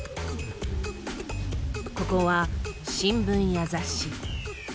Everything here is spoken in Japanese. ここは新聞や雑誌。